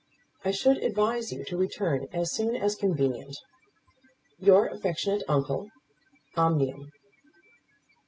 I should advise you to return as soon as convenient. Your affectionate uncle, OMNIUM.